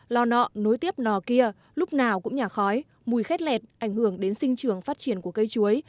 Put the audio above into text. lò nọ nối tiếp nò kia lúc nào cũng nhả khói mùi khét lẹt ảnh hưởng đến sinh trường phát triển của cây chuối